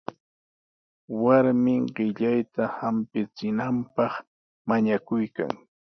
Warmin qillayta hampichinanpaq mañakuykan.